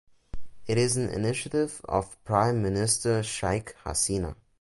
It is an initiative of Prime Minister Sheikh Hasina.